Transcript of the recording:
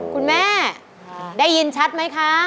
คุณแม่ได้ยินชัดไหมคะ